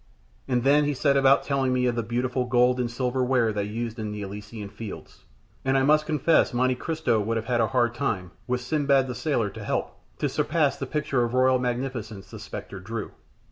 And then he set about telling me of the beautiful gold and silver ware they used in the Elysian Fields, and I must confess Monte Cristo would have had a hard time, with Sindbad the Sailor to help, to surpass the picture of royal magnificence the spectre drew.